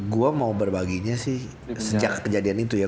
gue mau berbaginya sih sejak kejadian itu ya